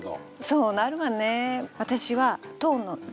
そうなるわね。